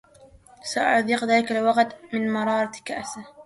سأُذيق ذلك الوغدَ من مرارةِ كأسِه.